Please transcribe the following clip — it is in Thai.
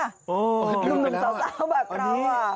โฮ้รุ่นเสาแบบเรา